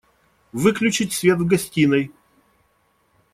Выключить свет в гостиной!